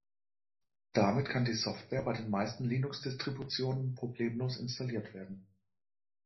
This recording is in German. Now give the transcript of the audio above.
Damit kann die Software bei den meisten Linuxdistributionen problemlos installiert werden.